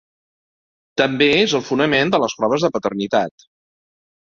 També és el fonament de les proves de paternitat.